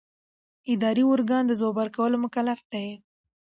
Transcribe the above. اداري ارګان د ځواب ورکولو مکلف دی.